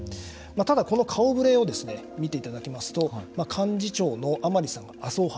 ただこの顔ぶれを見ていただきますと幹事長の甘利さんが麻生派。